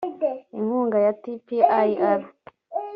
inkunga ya tpir